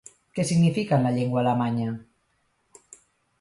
Què significa en la llengua alemanya?